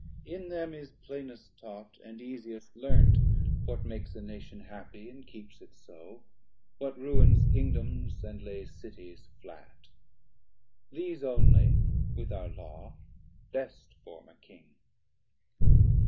360 In them is plainest taught, and easiest learnt, What makes a Nation happy, and keeps it so, What ruins Kingdoms, and lays Cities flat; These only with our Law best form a King.